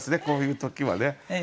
こういう時はね。